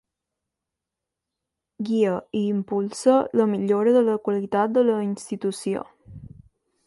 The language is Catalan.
Guia i impulsa la millora de la qualitat de la institució.